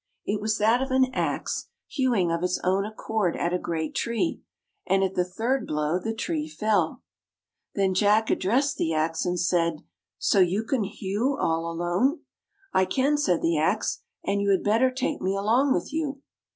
It was that of an ax, hewing of its own accord at a great tree, and at the third blow the tree fell. Then Jack addressed the Ax and said, "So you can hew all alone! ''" I can," said the Ax, " and you had bet ter take me along with you."